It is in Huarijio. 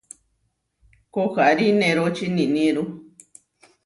Koharí neróči niníru.